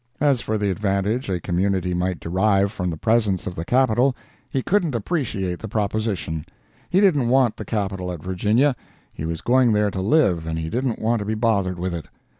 As for the advantage a community might derive from the presence of the Capital, he couldn't appreciate the proposition; he didn't want the Capital at Virginia; he was going there to live, and he didn't want to be bothered with it.